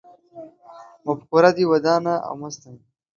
مفکوره دې ودانه او مسته وي